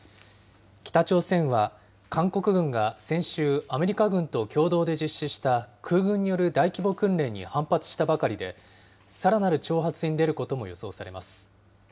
北朝鮮は、韓国軍が先週、アメリカ軍と共同で実施した空軍による大規模訓練に反発したばかりで、さらなる挑発に出ることも予想されます。